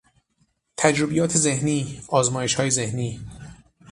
تجربیات ذهنی، آزمایشهای ذهنی